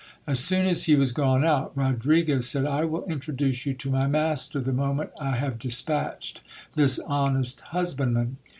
As sot n as he was gone out Rodriguez said, I will introduce you to my master the moment I have dispatched this honest husbandman.